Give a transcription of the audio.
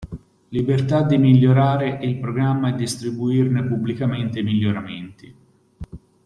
Libertà di migliorare il programma e distribuirne pubblicamente i miglioramenti.